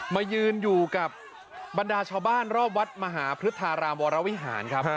มายืนอยู่กับบรรดาชาวบ้านรอบวัดมหาพฤทธารามวรวิหารครับ